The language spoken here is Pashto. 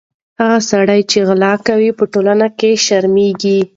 هغه سړی چې غلا کوي، په ټولنه کې شرمېږي.